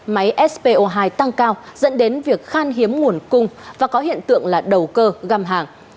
máy spo hai tăng cao dẫn đến việc khan hiếm nguồn cung và có hiện tượng là đầu cơ găm hàng